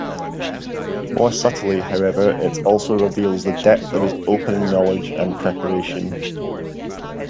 More subtly, however, it also reveals the depth of his opening knowledge and preparation.